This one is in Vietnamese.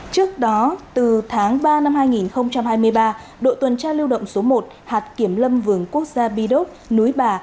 trước đó từ tháng ba năm hai nghìn hai mươi ba đội tuần tra lưu động số một hạt kiểm lâm vườn quốc gia bi đốc núi bà